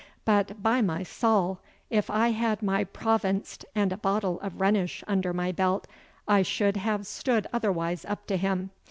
But, by my saul, if I had my provstnt and a bottle of Rhenish under my belt, I should hive stood otherways up to him.